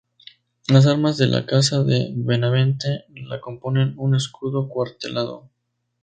Las armas de la casa de Benavente la componen un escudo cuartelado.